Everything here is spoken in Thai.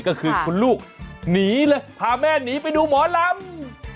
ก็คือคุณลูกผ่านแม่หนีไปดูหมอลำ